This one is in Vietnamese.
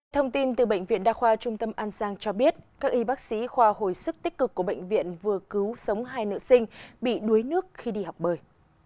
thông tin từ bệnh viện đa khoa trung tâm an giang cho biết các y bác sĩ khoa hồi sức tích cực của bệnh viện vừa cứu sống hai nữ sinh bị đuối nước khi đi học bơi